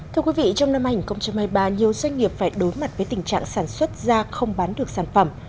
thưa quý vị trong năm hai nghìn hai mươi ba nhiều doanh nghiệp phải đối mặt với tình trạng sản xuất ra không bán được sản phẩm